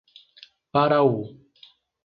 Paraú